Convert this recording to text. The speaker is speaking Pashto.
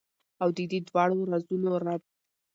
او ددې دواړو رازونو رب ،